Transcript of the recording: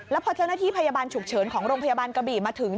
แล้วพอเจ้าหน้าที่พยาบาลฉุกเฉินของโรงพยาบาลกระบี่มาถึง